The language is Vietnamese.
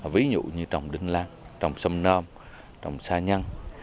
ví dụ như trồng đinh lăng trồng sâm nơm trồng sa nhăn